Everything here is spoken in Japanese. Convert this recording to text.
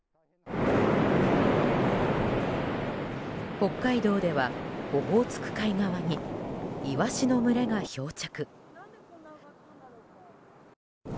北海道ではオホーツク海側にイワシの群れが漂着。